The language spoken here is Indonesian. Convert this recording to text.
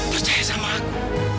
percaya sama aku